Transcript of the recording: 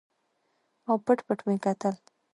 او پټ پټ مې کتل.